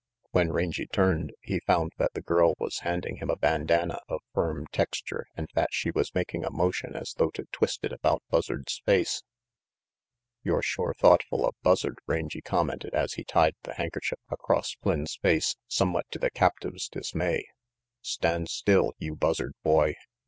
When Rangy turned, he found that the girl was handing him a bandana of firm texture and that she was making a motion as though to twist it about Buzzard's face. "You're shore thoughtful of Buzzard," Rangy commented as he tied the handkerchief across Flynn's face, somewhat to the captive's dismay. "Stand still, you Buzzard Boy.